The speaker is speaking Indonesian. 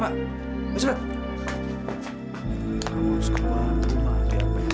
kamu harus ke pangkalan